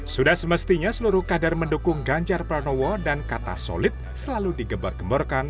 sudah semestinya seluruh kader mendukung ganjar pranowo dan kata solid selalu digembar gemborkan